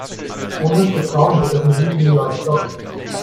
Ohne hübsche Frauen wird das Musikvideo ein Flop.